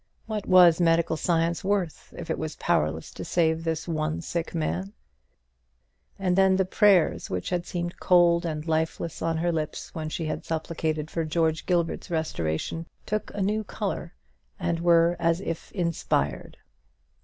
What was medical science worth, if it was powerless to save this one sick man? And then the prayers which had seemed cold and lifeless on her lips when she had supplicated for George Gilbert's restoration took a new colour, and were as if inspired.